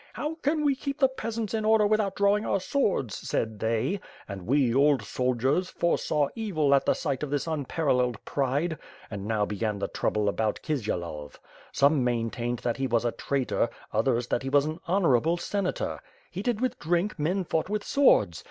*How can we keep the peasants in order without drawing our swords,' said they. And we, old soldiers, foresaw evil at the sight of this unparalleled pride. And now began the trouble about Kisyelov. Some main tained that he was a traitor, others that he was an honorable Senator. Heated with drink, men fought with swords.